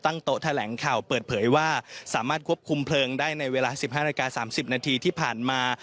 ตั้งโต๊ะแถลงข่าวเปิดเผยว่าสามารถควบคุมเพลิงได้ในเวลาสิบห้าราคาสามสิบนาทีที่ผ่านมา